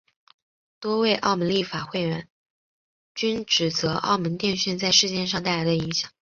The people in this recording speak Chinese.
多位澳门立法会议员均指责澳门电讯在事件上带来的影响。